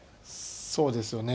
そうですよね。